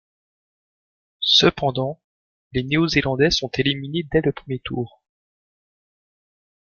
Cependant, les néo-zélandais sont éliminés dès le premier tour.